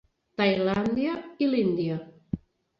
Tailàndia i l'Índia.